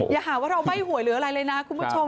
อย่าหาว่าเราใบ้หวยหรืออะไรเลยนะคุณผู้ชม